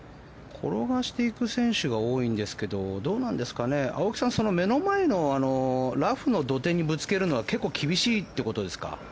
転がしていく選手が多いんですけど青木さん、目の前のラフの土手にぶつけるのは結構、厳しいってことですか？